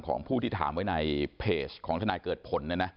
ของผู้ที่ถามไว้ในเพจของทนายเกิดผล